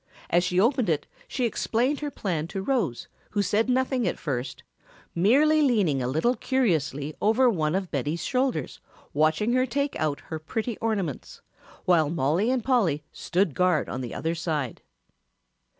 As she opened it she explained her plan to Rose, who said nothing at first, merely leaning a little curiously over one of Betty's shoulders watching her take out her pretty ornaments, while Mollie and Polly stood guard on the other side.